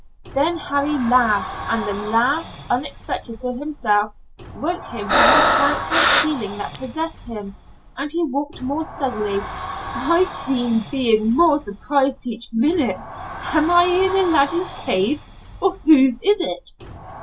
Then Harry laughed, and the laugh, unexpected to himself, woke him from the trancelike feeling that possessed him, and he walked more steadily. "I've been being more surprised each minute. Am I in Aladdin's cave or whose is it?"